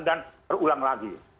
dan berulang lagi